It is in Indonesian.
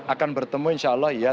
akan bertemu insya allah ya